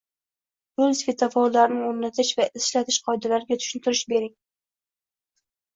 Yo‘l svetoforlarini o‘rnatish va ishlatish qoidalariga tushuntirish bering?